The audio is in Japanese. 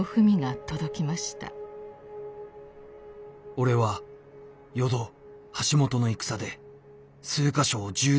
「俺は淀橋本の戦で数か所を銃弾で負傷した。